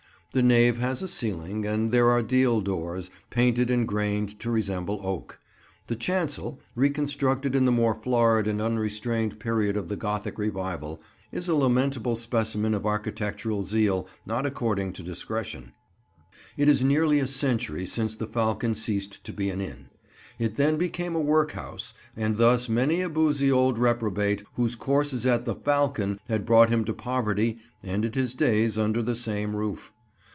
The nave has a ceiling, and there are deal doors, painted and grained to resemble oak. The chancel, reconstructed in the more florid and unrestrained period of the Gothic revival, is a lamentable specimen of architectural zeal not according to discretion. [Picture: The "Falcon," Bidford] It is nearly a century since the "Falcon" ceased to be an inn. It then became a workhouse, and thus many a boozy old reprobate whose courses at the "Falcon" had brought him to poverty ended his days under the same roof.